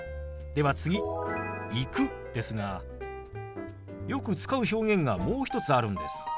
では次「行く」ですがよく使う表現がもう一つあるんです。